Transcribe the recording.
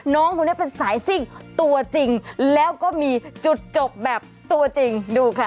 น้องคนนี้เป็นสายซิ่งตัวจริงแล้วก็มีจุดจบแบบตัวจริงดูค่ะ